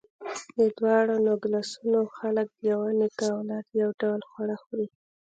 د دواړو نوګالسونو خلک د یوه نیکه اولاد، یو ډول خواړه خوري.